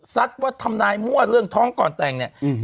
ว่าทำนายมั่วเรื่องท้องก่อนแต่งเนี่ย